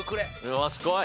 よしこい。